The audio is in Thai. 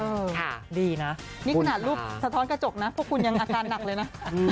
ดีนะนี่ขนาดรูปสะท้อนกระจกนะพวกคุณยังอาการหนักเลยนะ